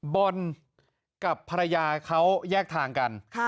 บอลกับภรรยาเขาแยกทางกัน